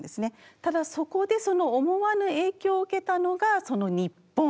ただそこで思わぬ影響を受けたのが日本。